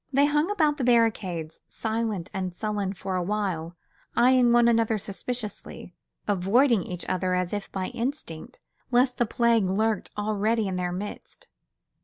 They hung about the barricades, silent and sullen for a while, eyeing one another suspiciously, avoiding each other as if by instinct, lest the plague lurked already in their midst.